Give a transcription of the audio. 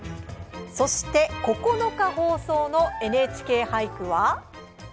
そして、９日放送の「ＮＨＫ俳句」は？